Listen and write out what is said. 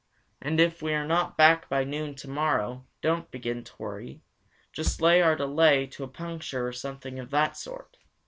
And if we are not back by noon tomorrow, don't begin to worry. Just lay our delay to a puncture or something of that sort.